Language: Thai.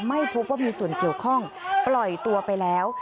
ไม่พบว่ามีส่วนเกี่ยวข้องปล่อยตัวไปแล้ว